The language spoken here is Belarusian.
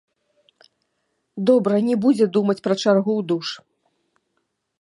Добра, не будзе думаць пра чаргу ў душ.